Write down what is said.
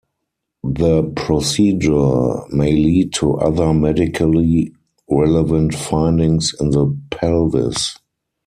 The procedure may lead to other medically relevant findings in the pelvis.